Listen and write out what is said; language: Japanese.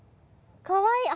かわいい。